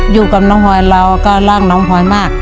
อยู่กับน้องพลอยเราก็รักน้องพลอยมาก